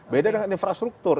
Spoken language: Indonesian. beda dengan infrastruktur